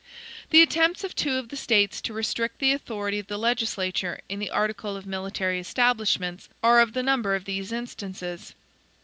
The attempts of two of the States to restrict the authority of the legislature in the article of military establishments, are of the number of these instances.